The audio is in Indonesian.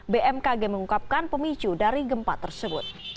bmkg mengungkapkan pemicu dari gempa tersebut